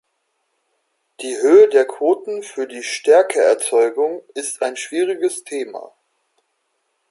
Die Höhe der Quoten für die Stärkeerzeugung ist ein schwierigeres Thema.